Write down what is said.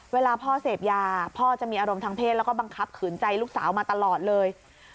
เวลาพ่อเสพยาพ่อจะมีอารมณ์ทางเพศแล้วก็บังคับขืนใจลูกสาวมาตลอดเลย